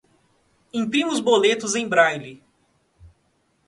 Imprima os boletos em braille